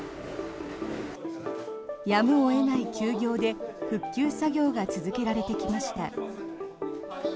やむを得ない休業で復旧作業が続けられてきました。